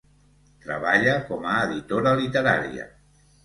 Treballa com a editora literària.